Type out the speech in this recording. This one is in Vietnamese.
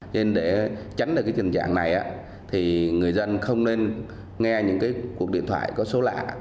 cho nên để tránh được cái tình trạng này thì người dân không nên nghe những cái cuộc điện thoại có số lạ